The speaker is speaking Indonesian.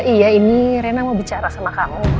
iya ini rena mau bicara sama kamu